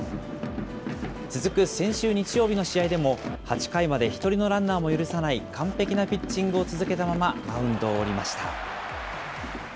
続く先週日曜日の試合でも、８回まで１人のランナーも許さない完璧なピッチングを続けたまま、マウンドを降りました。